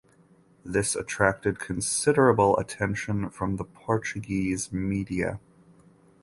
This attracted considerable attention from the Portuguese media.